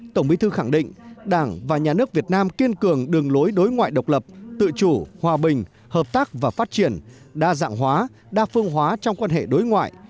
tổng bí thư khẳng định đảng và nhà nước việt nam kiên cường đường lối đối ngoại độc lập tự chủ hòa bình hợp tác và phát triển đa dạng hóa đa phương hóa trong quan hệ đối ngoại